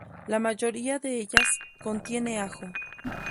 La mayoría de ellas, contiene ajo.